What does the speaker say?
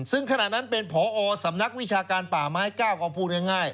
ซึ่งขณะนั้นเป็นผอสำนักวิชาการป่าไม้๙ก็พูดง่าย